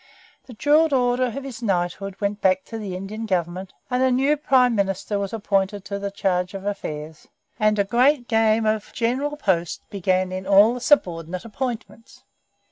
The jewelled order of his knighthood went back to the Indian Government, and a new Prime Minister was appointed to the charge of affairs, and a great game of General Post began in all the subordinate appointments.